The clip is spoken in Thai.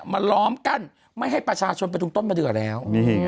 ล้อมกั้นไม่ให้ประชาชนไปตรงต้นมะเดือแล้ว